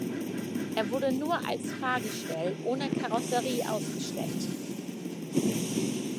Er wurde nur als Fahrgestell ohne Karosserie ausgestellt.